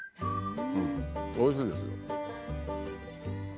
おいしいですよ。